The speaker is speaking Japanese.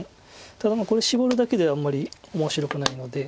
ただこれシボるだけではあんまり面白くないので。